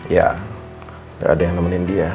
ya nggak ada yang nemenin dia